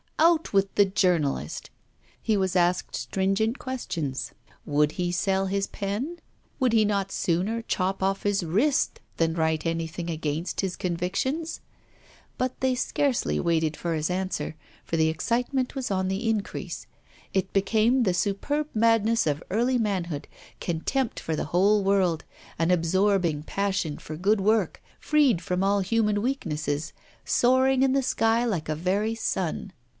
Out with the journalist! He was asked stringent questions. Would he sell his pen? Would he not sooner chop off his wrist than write anything against his convictions? But they scarcely waited for his answer, for the excitement was on the increase; it became the superb madness of early manhood, contempt for the whole world, an absorbing passion for good work, freed from all human weaknesses, soaring in the sky like a very sun.